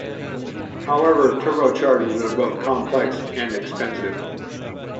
However, turbochargers are both complex and expensive.